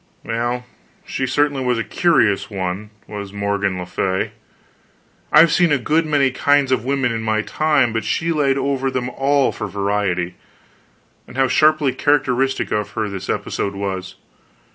Well, she certainly was a curious one, was Morgan le Fay. I have seen a good many kinds of women in my time, but she laid over them all for variety. And how sharply characteristic of her this episode was.